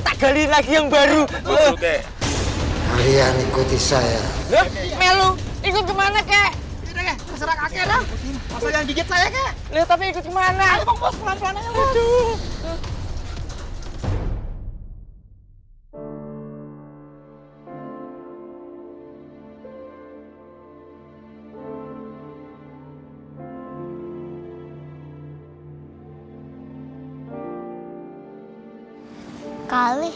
tak gali lagi yang baru kek kalian ikuti saya melu ikut kemana kek kakak kakak